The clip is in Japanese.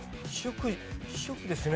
主食ですね。